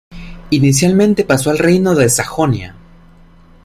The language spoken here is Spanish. Inicialmente pasó al reino de Sajonia.